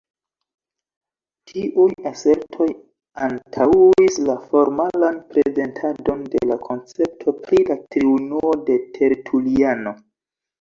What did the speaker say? Tiuj asertoj antaŭis la formalan prezentadon de la koncepto pri la Triunuo de Tertuliano.